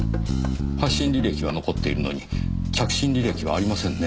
発信履歴は残っているのに着信履歴がありませんね。